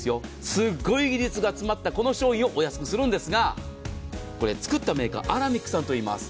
すっごい技術が詰まったこの商品をお安くするんですがこれ、作ったメーカーアラミックさんといいます。